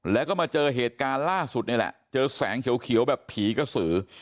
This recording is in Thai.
แล้วก็มาเจอเหตุการณ์ล่าสุดนี่แหละเจอแสงเขียวแบบผีกระสือ